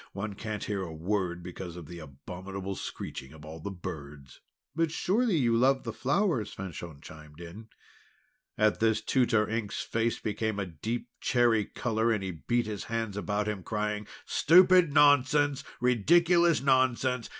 One can't hear a word because of the abominable screeching of the birds!" "But surely you love the flowers?" Fanchon chimed in. At this Tutor Ink's face became a deep cherry colour, and he beat his hands about him, crying: "Stupid nonsense! Ridiculous nonsense!